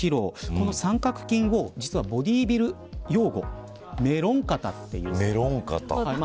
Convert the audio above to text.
この三角筋をボディービル用語でメロン肩といいます。